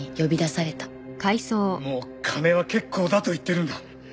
もう金は結構だと言ってるんだ。